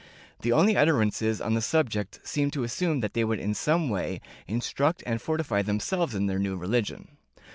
The only utterances on the subject seem to assume that they would in some way instruct and fortify them selves in their new religion.